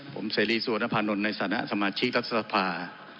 ผมเสรีสัริสัวนภัณฑ์นนท์ในสถานกันสามาชิกรัฐสภา